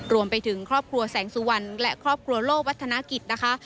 รวมไปถึงครอบครัวแสงสุวรรณและครอบครัวโลวัฒนากิจนะคะ